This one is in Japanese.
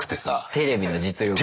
テレビの実力ね。